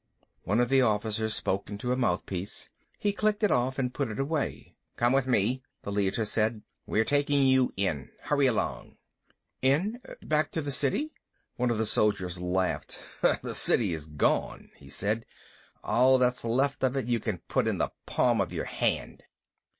One of the soldiers spoke into a mouthpiece. He clicked it off and put it away. "Come with me," the Leiter said. "We're taking you in. Hurry along." "In? Back to the City?" One of the soldiers laughed. "The City is gone," he said. "All that's left of it you can put in the palm of your hand."